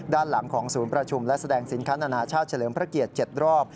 ด้านหลังของศูนย์ประชุมและแสดงสินค้านานาชาติเฉลิมพระเกียรติ๗รอบ